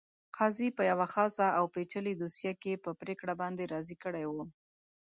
قاضي په یوه خاصه او پېچلې دوسیه کې په پرېکړه باندې راضي کړی وو.